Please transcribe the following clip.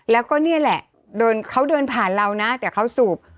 แล้วก็นี่แหละเขาเดินผ่านเรานะแต่เขาสูบ